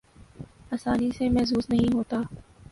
آسانی سے محظوظ نہیں ہوتا